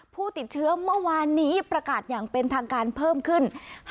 ผู้ติดเชื้อเมื่อวานนี้ประกาศอย่างเป็นทางการเพิ่มขึ้น